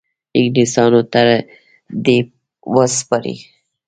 انګلیسیانو ته دي وسپاري.